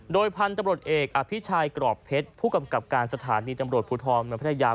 โดยพันธุ์ตำรวจเอกอภิชัยกรอบเพชรผู้กำกับการสถานีตำรวจภูทรเมืองพัทยา